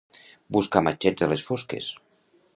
Buscar matxets a les fosques.